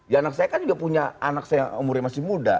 ya anak saya kan juga punya anak saya umurnya masih muda